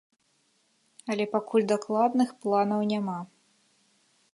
Але пакуль дакладных планаў няма.